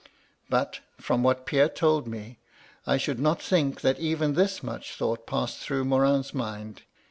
But, from what Pierre told me, I should not think that even this much thought passed through Morin's mind.